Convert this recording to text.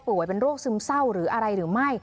เป็นโรคซึมเศร้าหรืออะไรหรือไม่